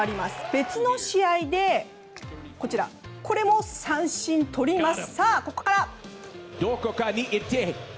別の試合でこれも三振をとります。